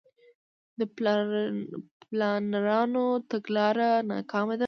د پلانرانو تګلاره ناکامه ده.